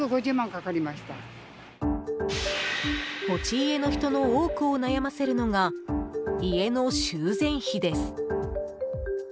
持ち家の人の多くを悩ませるのが、家の修繕費です。